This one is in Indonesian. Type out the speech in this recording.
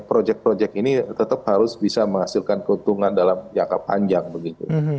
proyek proyek ini tetap harus bisa menghasilkan keuntungan dalam jangka panjang begitu